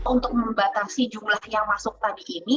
untuk membatasi jumlah yang masuk tadi ini